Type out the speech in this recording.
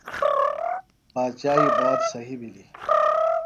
باچائی بات صہیۡ بِھلیۡ